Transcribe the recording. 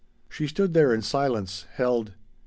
She stood there in silence, held.